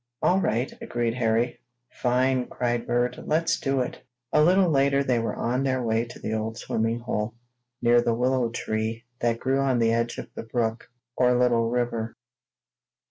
"All right!" agreed Harry. "Fine!" cried Bert. "Let's do it." A little later they were on their way to the old swimming hole, near the willow tree that grew on the edge of the brook, or little river.